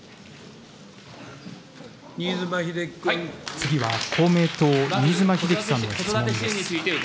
次は公明党、新妻秀規さんの質問です。